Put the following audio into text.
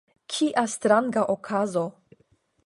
kia stranga okazo!